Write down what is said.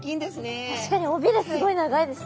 確かに尾びれすごい長いですね。